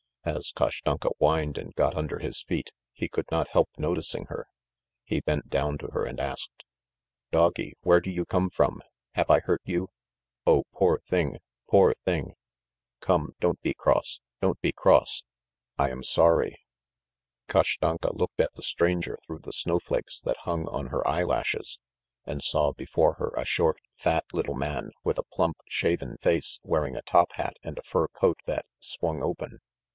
As Kashtanka whined and got under his feet, he could not help noticing her. He bent down to her and asked: "Doggy, where do you come from? Have I hurt you? O, poor thing, poor thing. ... Come, don't be cross, don't be cross. ... I am sorry." Kashtanka looked at the stranger through the snow flakes that hung on her eyelashes, and saw before her a short, fat little man, with a plump, shaven face wearing a top hat and a fur coat that swung open.